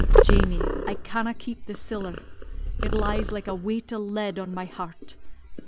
Jamie, I canna' keep this siller, it lies like a weight o' lead on my heart.